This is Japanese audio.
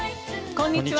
こんにちは。